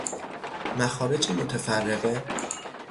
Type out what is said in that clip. مخارج متفرقه